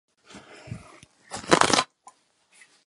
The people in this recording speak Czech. Hledání jiného vhodného nakladatele trvalo dalších pět let.